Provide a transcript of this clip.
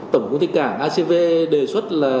tổng công ty cả acv đề xuất là